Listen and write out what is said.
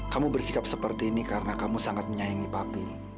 kamu bersikap seperti ini karena kamu sangat menyayangi papi